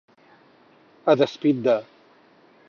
A despit de.